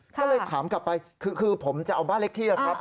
ก็เลยถามกลับไปคือผมจะเอาบ้านเล็กที่ครับ